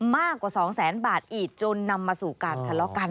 มากกว่าสองแสนบาทอีกจนนำมาสู่การทะเลาะกัน